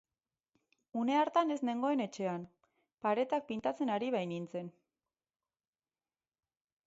Une hartan ez nengoen etxean, paretak pintatzen ari baitziren.